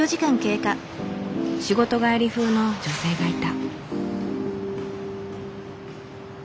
仕事帰り風の女性がいた。